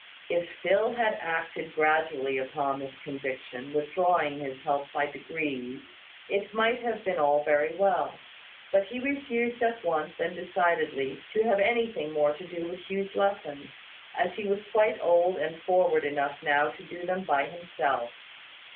If Phil had acted gradually upon this conviction, withdrawing his help by degrees, it might have been all very well: but he refused at once and decidedly to have anything more to do with Hugh's lessons, as he was quite old and forward enough now to do them by himself.